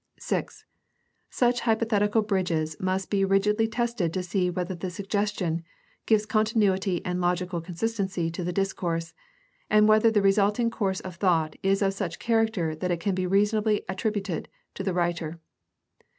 (6) Such hypothetical bridges must be rigidly tested to see whether the suggestion gives continuity and logical consistency to the discourse, and whether the resulting course of thought is of such character that it can reasonably be attributed to the writer.